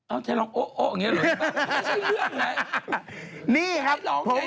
อ้าวใช่ร้องโอ้โอ๊ะเหนื่อยไม่ใช่เวลาไหน